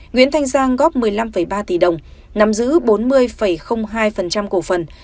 nguyễn thanh giang góp một mươi năm ba tỷ đồng nắm giữ bốn mươi hai cổ phần